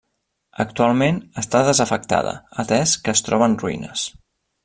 Actualment està desafectada, atès que es troba en ruïnes.